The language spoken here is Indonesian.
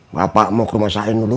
bapak mau ke rumah sakit dulu